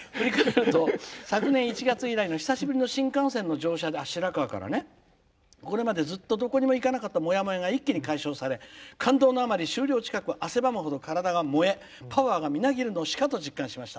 昨年１月以来の久しぶりの新幹線の乗車でこれまで、ずっとどこにも行かなかったもやもやが一気に回収され感動のあまり終了近く汗ばむほど体が燃え、パワーがみなぎるのをしかと実感しました。